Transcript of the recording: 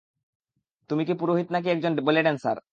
তুমি কি পুরোহিত নাকি একজন ব্যালে ড্যান্সার?